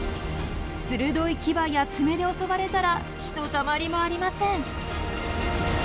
鋭い牙や爪で襲われたらひとたまりもありません。